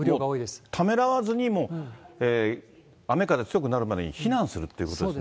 ためらわずに、雨風強くなる前に、避難するっていうことですね。